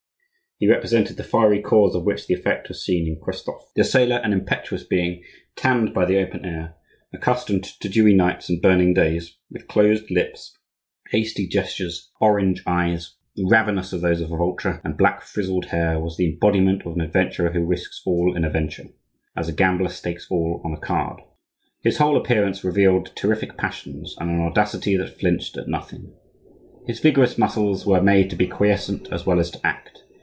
He represented the fiery cause of which the effect was seen in Christophe. The sailor, an impetuous being, tanned by the open air, accustomed to dewy nights and burning days, with closed lips, hasty gestures, orange eyes, ravenous as those of a vulture, and black, frizzled hair, was the embodiment of an adventurer who risks all in a venture, as a gambler stakes all on a card. His whole appearance revealed terrific passions, and an audacity that flinched at nothing. His vigorous muscles were made to be quiescent as well as to act.